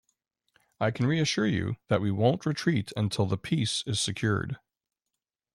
I can reassure you, that we won't retreat until the peace is secured.